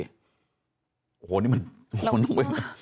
โง้เนี่ยมันต้องเปลี่ยน